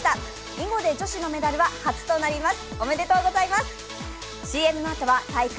囲碁で女子のメダルは初となります。